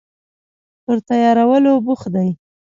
پر تیارولو بوخت دي